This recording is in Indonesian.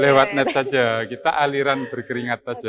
lewat net saja kita aliran berkeringat saja